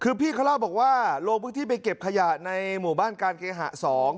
คือพี่เขาเล่าบอกว่าลงพื้นที่ไปเก็บขยะในหมู่บ้านการเคหะ๒